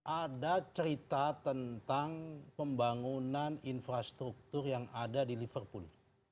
ada cerita tentang pembangunan infrastruktur yang ada di liverpool